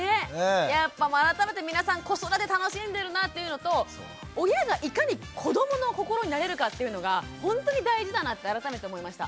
やっぱ改めて皆さん子育て楽しんでるなっていうのと親がいかに子どもの心になれるかっていうのがほんとに大事だなって改めて思いました。